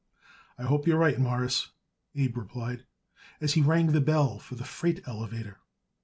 "I hope you're right, Mawruss," Abe replied as he rang the bell for the freight elevator.